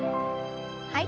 はい。